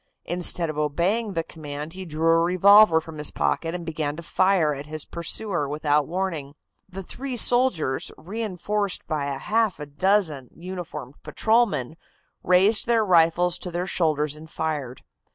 Instead of obeying the command he drew a revolver from his pocket and began to fire at his pursuer without warning. The three soldiers, reinforced by half a dozen uniformed patrolmen, raised their rifles to their shoulders and fired.